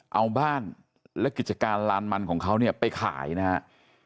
เอาบ้านและกิจการลานมันของเขาเนี่ยไปขายนะครับ